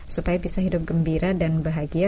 supaya bisa hidup gembira dan bahagia